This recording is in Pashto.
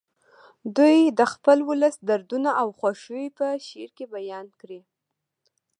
دوی د خپل ولس دردونه او خوښۍ په شعر کې بیان کړي